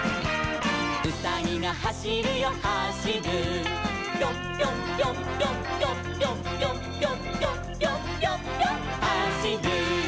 「うさぎがはしるよはしる」「ぴょんぴょんぴょんぴょんぴょんぴょんぴょんぴょん」「ぴょんぴょんぴょんぴょんはしる」